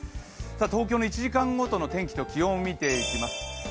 東京の１時間ごとの天気と気温を見ていきます。